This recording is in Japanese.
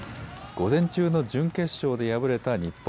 午前中の準決勝で敗れた日本。